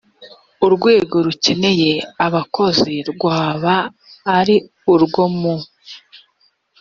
urwego rukeneye abakozi rwaba ari urwo mu